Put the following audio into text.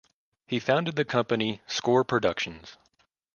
He founded the company Score Productions.